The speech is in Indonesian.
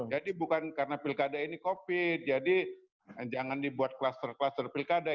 jadi bukan karena pilkada ini covid jadi jangan dibuat kluster kluster pilkada